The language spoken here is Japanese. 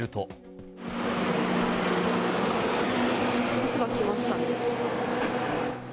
バスが来ましたね。